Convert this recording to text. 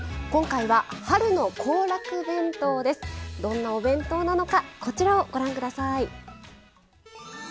今回は「春の行楽弁当」です。どんなお弁当なのかこちらをご覧下さい。